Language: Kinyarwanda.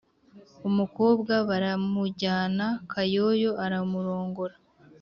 umukobwa baramujyana, kayoyo aramurongora.